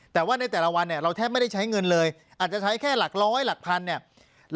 แต่ว่าในแต่ละวันเนี่ยเราแทบไม่ได้ใช้เงินเลยอาจจะใช้แค่หลักร้อยหลักพันเนี่ย